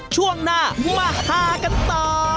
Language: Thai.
ช่วงหน้ามาฮากันต่อ